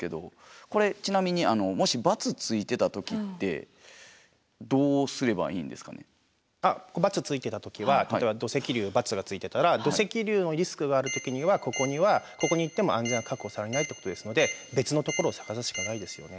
これちなみにもし×ついてた時は例えば土石流×がついてたら土石流のリスクがある時にはここにはここに行っても安全は確保されないということですので別のところを探すしかないですよね。